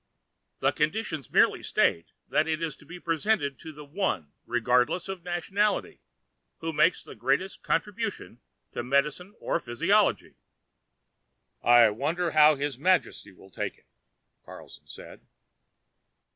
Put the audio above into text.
The conditions merely state that it is to be presented to the one, regardless of nationality, who makes the greatest contribution to medicine or physiology." "I wonder how His Majesty will take it," Carlstrom said.